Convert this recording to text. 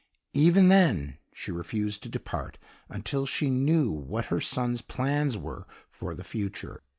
Even then she refused to depart, until she knew what her son's plans were for the future.